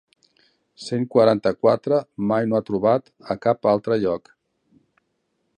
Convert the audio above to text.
Cent quaranta-quatre mai no ha trobat a cap altre lloc.